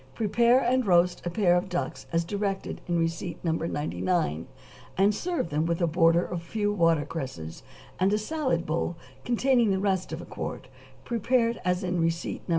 = Prepare and roast a pair of ducks as directed in receipt No. 99, and serve them with a border of a few watercresses, and a salad bowl containing the rest of a quart, prepared as in receipt No.